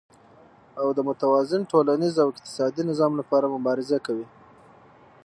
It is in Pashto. او د متوازن ټولنيز او اقتصادي نظام لپاره مبارزه کوي،